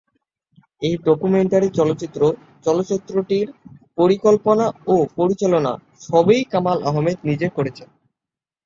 এই ডকুমেন্টারি চলচ্চিত্র চলচ্চিত্রটির পরিকল্পনা, ও পরিচালনা সবই কামাল আহমেদ নিজে করেছেন।